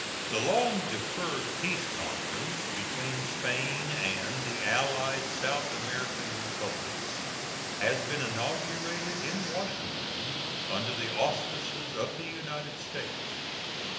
The long deferred peace conference between Spain and the allied South American Republics has been inaugurated in Washington under the auspices of the United States.